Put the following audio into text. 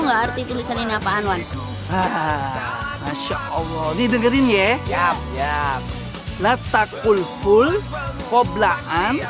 seperti tulisan ini apaan wan masya allah didengarkan ya ya ya latakul full koblaan